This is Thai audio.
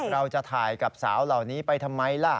เราจะถ่ายกับสาวเหล่านี้ไปทำไมล่ะ